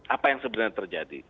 apa yang sebenarnya terjadi